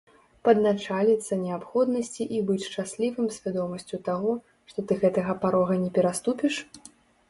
Падначаліцца неабходнасці і быць шчаслівым свядомасцю таго, што ты гэтага парога не пераступіш?